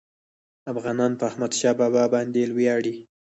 افغانان په احمدشاه بابا باندي ویاړي.